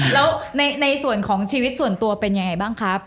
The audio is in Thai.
แล้วในส่วนของชีวิตส่วนตัวเป็นยังไงบ้างครับ